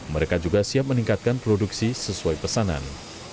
mereka juga siap meningkatkan produksi sesuai pesanan